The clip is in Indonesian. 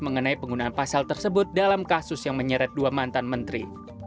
mengenai penggunaan pasal tersebut dalam kasus yang menyeret dua mantan menteri